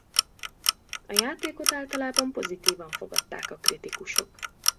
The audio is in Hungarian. A játékot általában pozitívan fogadták a kritikusok.